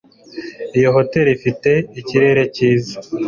Iyo hoteri ifite ikirere cyiza